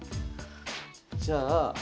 じゃあ。